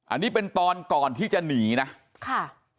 อันนี้เป็นตอนก่อนที่จะหนีนะค่ะ